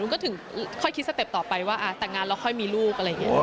อุ้นก็ถึงค่อยคิดสเต็ปต่อไปว่าต่างงานแล้วค่อยมีลูก